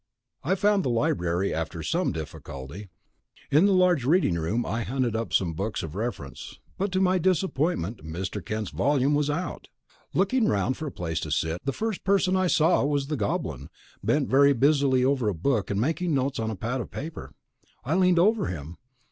I found the Library after some difficulty. In the large reading room I hunted up some books of reference, but to my disappointment Mr. Kent's volume was out. Looking round for a place to sit, the first person I saw was the Goblin, bent very busily over a book and making notes on a pad of paper. I leaned over him.